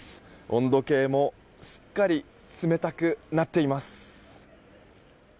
温度計もすっかり冷たくなっています。